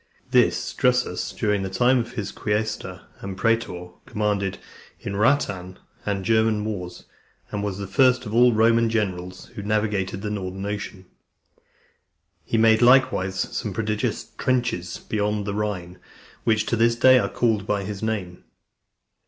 This Drusus, during the time of his being quaestor and praetor, commanded in the Rhaetian and German wars, and was the first of all the Roman generals who navigated the Northern Ocean . He made likewise some prodigious trenches beyond the Rhine , which to this day are called by his name.